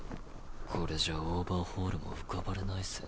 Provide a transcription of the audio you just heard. これじゃオーバーホールも浮かばれないぜ。